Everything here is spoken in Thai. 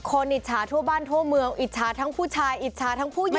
อิจฉาทั่วบ้านทั่วเมืองอิจฉาทั้งผู้ชายอิจฉาทั้งผู้หญิง